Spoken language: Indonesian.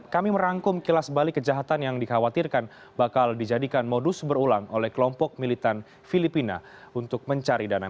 kami merangkum kilas balik kejahatan yang dikhawatirkan bakal dijadikan modus berulang oleh kelompok militan filipina untuk mencari dana